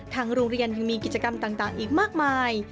ทางโรงเรียนยังมีกิจกรรมต่างอีกมากมาย